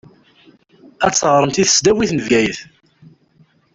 Ad teɣṛemt di tesdawit n Bgayet.